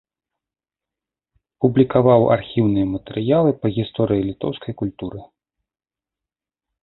Публікаваў архіўныя матэрыялы па гісторыі літоўскай культуры.